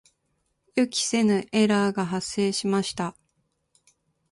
予期せぬエラーが発生しました。